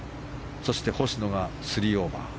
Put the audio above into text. そして星野は３オーバー。